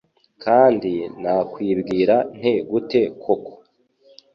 Kandi nakwibwira nte gute koko